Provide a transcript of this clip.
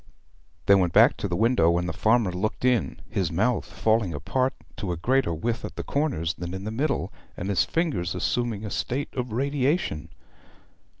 They went back to the window, and the farmer looked in, his mouth falling apart to a greater width at the corners than in the middle, and his fingers assuming a state of radiation.